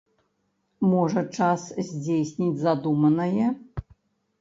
Можа, час здзейсніць задуманае?